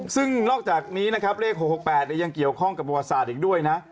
ซึ่งนอกจากนี้นะครับเลข๖๖๘ยังเกี่ยวข้องกับประวัติศาสตร์อีกด้วยนะ